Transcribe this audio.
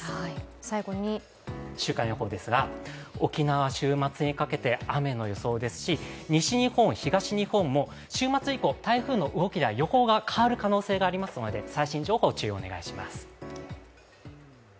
最後に週間予報ですが、沖縄、週末にかけて雨の予想ですし、西日本、東日本も週末以降、台風の動きや予報が変わるおそれがありますので、最新情報、注意をお願いします。